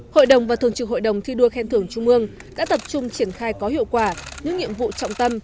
hội đồng và thường trực hội đồng thi đua khen thưởng trung ương đã tập trung triển khai có hiệu quả những nhiệm vụ trọng tâm